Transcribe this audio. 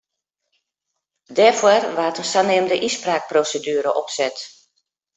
Dêrfoar waard in saneamde ynspraakproseduere opset.